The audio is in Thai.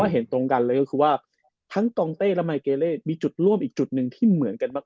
เห็นตรงกันเลยก็คือว่าทั้งกองเต้และมายเกเลสมีจุดร่วมอีกจุดหนึ่งที่เหมือนกันมาก